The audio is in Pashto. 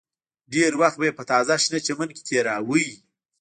ډېر وخت به یې په تازه شنه چمن کې تېراوه